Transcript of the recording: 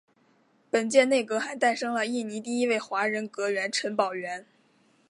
本届内阁还诞生了印尼第一位华人阁员陈宝源。